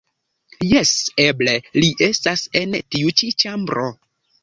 Jes, eble li estas en tiu ĉi ĉambro